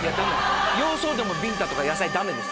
洋装でもビンタとか野菜ダメです。